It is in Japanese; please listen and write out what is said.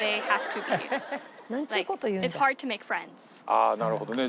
ああなるほどね。